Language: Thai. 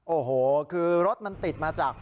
โอ้โหคือรถมันติดมาจาก